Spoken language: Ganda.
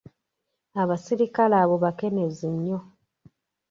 Abasirikale abo bakenuzi nnyo.